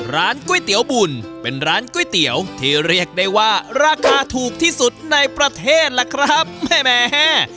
ร้านก๋วยเตี๋ยวบุญเป็นร้านก๋วยเตี๋ยวที่เรียกได้ว่าราคาถูกที่สุดในประเทศล่ะครับแหม